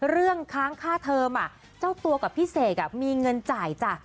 ค้างค่าเทอมเจ้าตัวกับพี่เสกมีเงินจ่ายจ้ะ